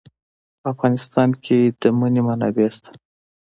په افغانستان کې د منی منابع شته.